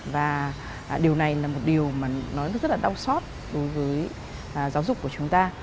và điều này là một điều rất đau xót đối với giáo dục của chúng ta